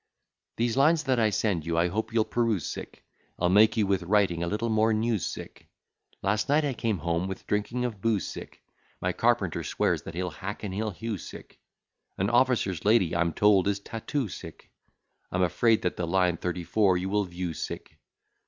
These lines that I send you, I hope you'll peruse sick; I'll make you with writing a little more news sick; Last night I came home with drinking of booze sick; My carpenter swears that he'll hack and he'll hew sick. An officer's lady, I'm told, is tattoo sick; I'm afraid that the line thirty four you will view sick.